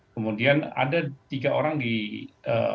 kemudian ada tiga orang di bag selamat